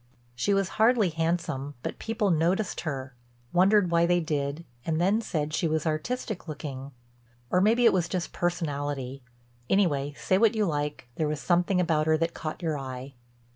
She was hardly handsome, but people noticed her, wondered why they did, and then said she was "artistic looking," or maybe it was just personality; anyway, say what you like, there was something about her that caught your eye.